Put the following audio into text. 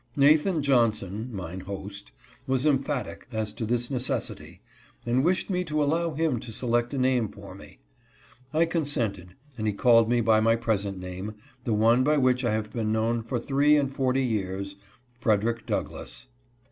Nathan Johnson, mine host, was emphatic as to this necessity, and wished me to allow him to select a name for me. I consented, and he called me by my present name, — the one by which I have been known for three and forty years, — Frederick Douglass.